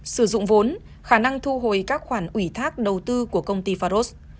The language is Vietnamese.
sử dụng vốn khả năng thu hồi các khoản ủy thác đầu tư của công ty faros